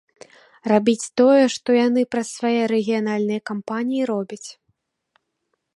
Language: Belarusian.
Рабіць тое, што яны праз свае рэгіянальныя кампаніі робяць.